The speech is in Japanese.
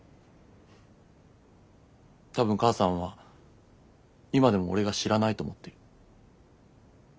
多分母さんは今でも俺が知らないと思ってる。